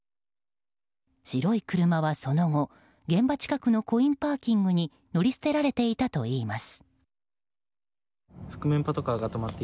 白い車は、その後現場近くのコインパーキングに乗り捨てられていたといいます。